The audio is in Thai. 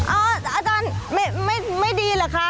อาจารย์ไม่ดีเหรอคะ